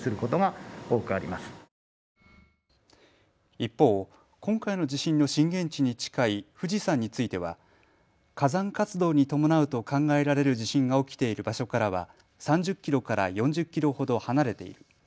一方、今回の地震の震源地に近い富士山については火山活動に伴うと考えられる地震が起きている場所からは３０キロから４０キロほど離れている。